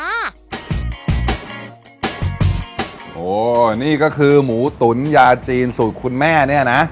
โอ้โหนี่ก็คือหมูตุ๋นยาจีนสูตรคุณแม่เนี่ยนะ